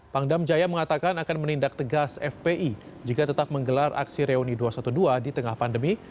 pangdam jaya mengatakan akan menindak tegas fpi jika tetap menggelar aksi reuni dua ratus dua belas di tengah pandemi